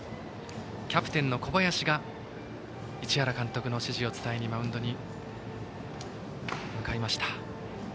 キャプテンの小林が市原監督の指示を伝えにマウンドに向かいました。